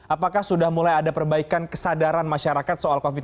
apakah sudah mulai ada perbaikan kesadaran masyarakat soal covid sembilan belas